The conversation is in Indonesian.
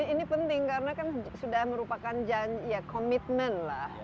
ini penting karena kan sudah merupakan komitmen lah